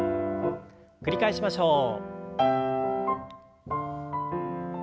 繰り返しましょう。